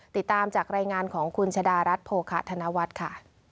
ติดตามจากรายงานของคุณชะดารัฐโภคะธนวัฒน์ค่ะ